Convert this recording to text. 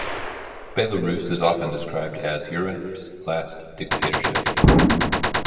Belarus is often described as "Europe's last dictatorship".